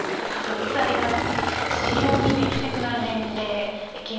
４つあります。